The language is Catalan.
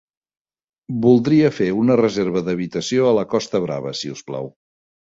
Voldria fer una reserva d'habitació a la Costa Brava, si us plau.